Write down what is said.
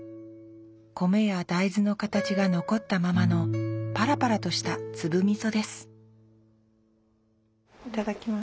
米や大豆の形が残ったままのパラパラとした粒味噌ですいただきます。